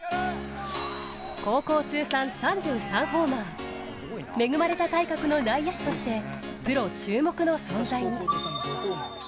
高校通算３３ホーマー恵まれた体格の内野手としてプロ注目の存在に。